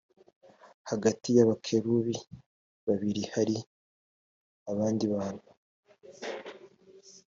hagati y abakerubi babiri hari abandi bantu